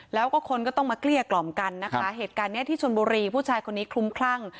แล้วก็คนก็ต้องมาเกลี้ยกล่อมกันนะคะเหตุการณ์เนี้ยที่ชนบุรีผู้ชายคนนี้คลุ้มคลั่ง